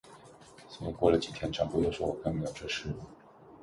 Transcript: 所以过了几天，掌柜又说我干不了这事。